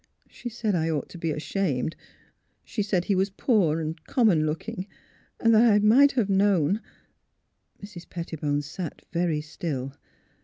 She said I ought to be ashamed She said he was poor and com mon looking, and that I might have known " Mrs. Pettibone sat very still.